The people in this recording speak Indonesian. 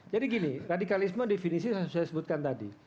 jadi gini radikalisme definisi yang saya sebutkan tadi